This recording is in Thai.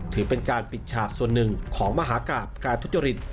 ถือเป็นการปิดฉากส่วนหนึ่งของมหากราบการทุจริต